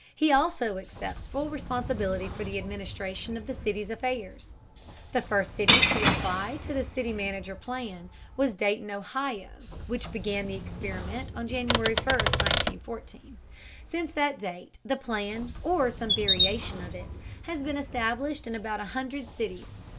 He also accepts full responsibility for the administration of the city's affairs. The first city to apply the city manager plan was Dayton, Ohio, which began the experiment on January 1, 1914. Since that date the plan, or some variation of it, has been established in about a hundred cities.